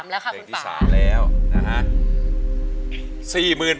เป็นเพลงที่๓แล้วนะคะ